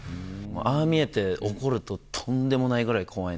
ああ見えて怒るととんでもないぐらい怖い。